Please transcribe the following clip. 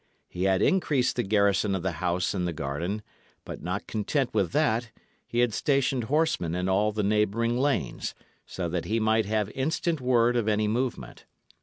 He had increased the garrison of the house in the garden; but not content with that, he had stationed horsemen in all the neighbouring lanes, so that he might have instant word of any movement.